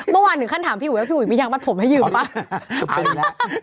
เมื่อวานถึงขั้นถามพี่หูยังมัดผมให้หยิบป่ะ